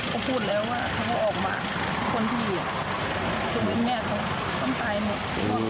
เขาพูดแล้วว่าเขาออกมาคนที่อยู่ถูกวิ่งแม่เขาต้องตายหมด